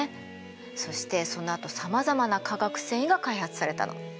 そしてそのあとさまざまな化学繊維が開発されたの。